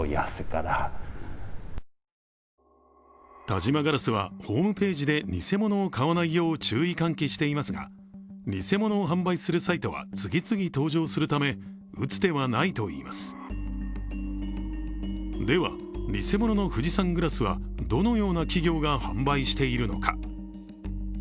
田島硝子は、ホームページで偽物を買わないよう注意喚起していますが偽物を販売するサイトは次々登場するため、打つ手はないといいますでは、偽物の富士山グラスはどのような企業が販売しているのか。